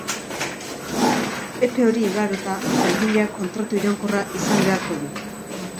Epe hori igarota, langileak kontratu iraunkorra izan beharko du.